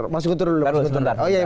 mas guntur dulu